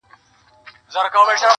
په څو رنگه عذاب د دې دنیا مړ سوم~